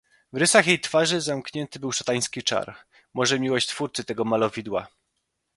"W rysach jej twarzy zamknięty był szatański czar, może miłość twórcy tego malowidła."